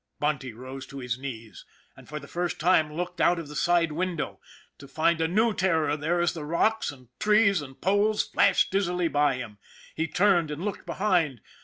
Bunty rose to his knees, and for the first time looked out of the side window, to find a new terror there as the rocks and trees and poles flashed dizzily by him. He turned and looked behind.